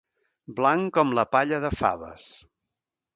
Blanc com la palla de faves.